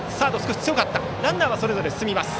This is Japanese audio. ランナーはそれぞれ進みます。